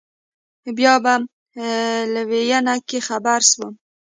بيا په لوېينه کښې خبر سوم.